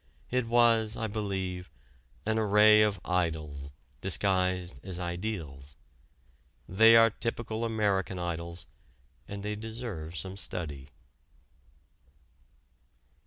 It was, I believe, an array of idols disguised as ideals. They are typical American idols, and they deserve some study.